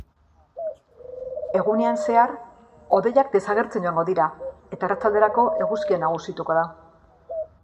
Egunean zehar hodeiak desagertzen joango dira, eta arratsalderako eguzkia nagusituko da.